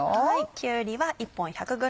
きゅうりは１本１００ｇ